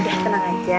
udah tenang aja